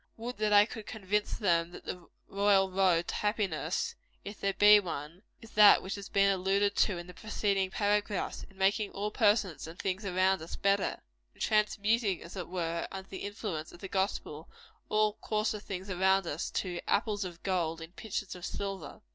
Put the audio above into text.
Would that I could convince them that the royal road to happiness if there be one is that which has been alluded to in the preceding paragraphs; in making all persons and things around us better in transmuting, as it were, under the influence of the gospel, all coarser things around us to "apples of gold in pictures of silver."